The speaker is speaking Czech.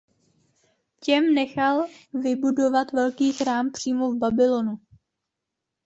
Těm nechal vybudovat velký chrám přímo v Babylonu.